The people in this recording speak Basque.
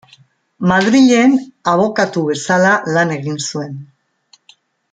Madrilen abokatu bezala lan egin zuen.